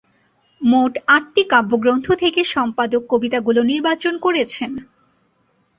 মোট আটটি কাব্যগ্রন্থ থেকে সম্পাদক কবিতাগুলো নির্বাচন করেছেন।